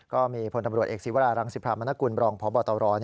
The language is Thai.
ก็มีผลธรรมรวชเอกศิวรารังศิภาพมนาคุณบรองพบต